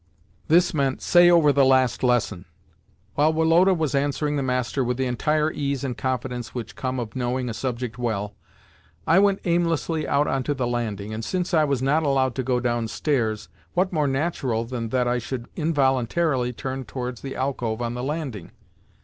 This meant "Say over the last lesson." While Woloda was answering the master with the entire ease and confidence which come of knowing a subject well, I went aimlessly out on to the landing, and, since I was not allowed to go downstairs, what more natural than that I should involuntarily turn towards the alcove on the landing?